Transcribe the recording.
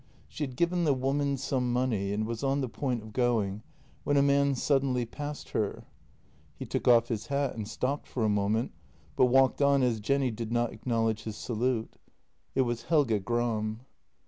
She had given the woman some money, and was on the point of going when a man suddenly passed her. He took off his hat and stopped for a moment, but walked on as Jenny did not acknowledge his salute. It was Helge Gram.